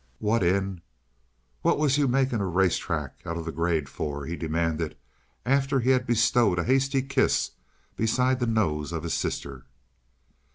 "What in what was you making a race track out of the grade for," he demanded, after he had bestowed a hasty kiss beside the nose of his sister.